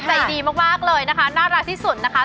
ใจดีมากเลยนะคะน่ารักที่สุดนะคะ